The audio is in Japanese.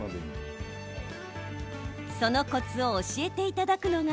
そのコツを教えていただくのが。